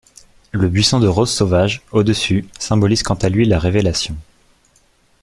Le buisson de roses sauvages au-dessus symbolise quant à lui la Révélation.